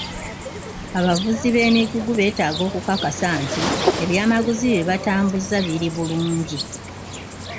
Abavuzi b'emigugu betaaga okukakasa nti eby'amaguzi bye batambuza biri bulungi.